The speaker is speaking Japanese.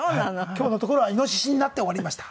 今日のところはイノシシになって終わりました。